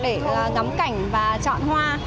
để ngắm cảnh và chọn hoa